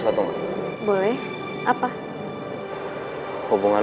nah malah ini om